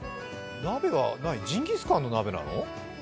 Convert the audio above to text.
鍋はジンギスカンの鍋なの？